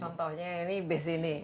contohnya ini bis ini